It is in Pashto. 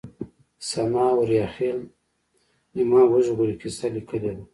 سناء اوریاخيل د ما وژغورئ کيسه ليکلې ده